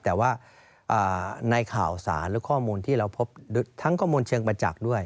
แต่ว่าในข่าวสารหรือข้อมูลที่เราพบทั้งข้อมูลเชิงประจักษ์ด้วย